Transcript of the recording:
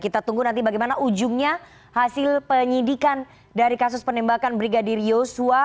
kita tunggu nanti bagaimana ujungnya hasil penyidikan dari kasus penembakan brigadir yosua